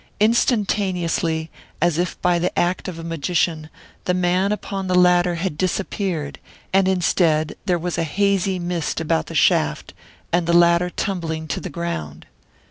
Instantaneously, as if by the act of a magician, the man upon the ladder had disappeared; and instead there was a hazy mist about the shaft, and the ladder tumbling to the ground.